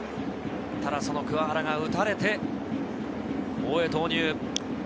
その鍬原が打たれて、大江、投入。